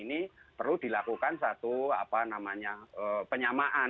ini perlu dilakukan satu apa namanya penyamaan